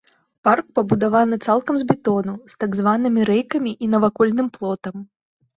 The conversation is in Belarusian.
Парк пабудаваны цалкам з бетону, з так званымі рэйкамі і навакольным плотам.